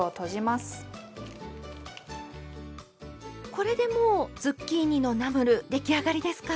これでもうズッキーニのナムル出来上がりですか？